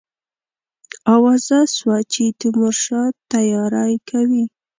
آوازه سوه چې تیمورشاه تیاری کوي.